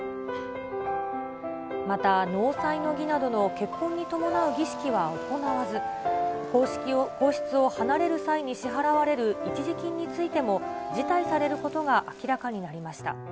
また納采の儀などの結婚に伴う儀式は行わず、皇室を離れる際に支払われる一時金についても、辞退されることが明らかになりました。